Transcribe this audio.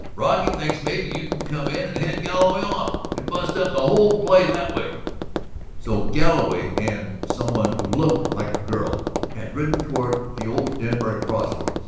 Brocky thinks maybe you can come in and head Galloway off and bust up the whole play that way." So Galloway and "some one who looked like a girl" had ridden toward the old Denbar cross roads.